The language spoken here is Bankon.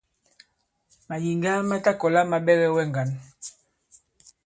Màyìŋga ma ta kɔ̀la ma ɓɛgɛ wɛ ŋgǎn.